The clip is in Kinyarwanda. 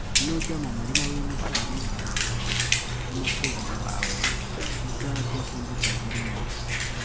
nujya mu murima w’imizabibu w’umuturanyi waweuzarye kumbuto zirimo.